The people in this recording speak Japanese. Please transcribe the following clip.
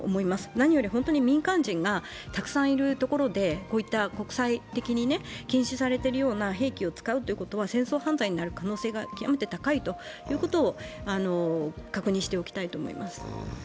何より本当に民間人がたくさんいるところで、こういった国際的に禁止されているような兵器を使うということは戦争犯罪になる可能性が極めて高いということを確認しておきたいと思います。